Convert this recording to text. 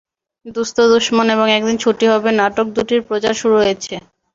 দোস্ত দুশমন এবং একদিন ছুটি হবে নাটক দুটির প্রচার শুরু হয়েছে।